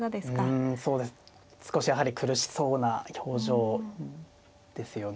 うん少しやはり苦しそうな表情ですよね。